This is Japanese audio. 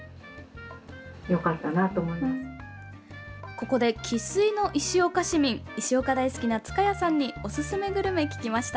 ここで、生粋の石岡市民石岡大好きな塚谷さんにおすすめグルメを聞きました。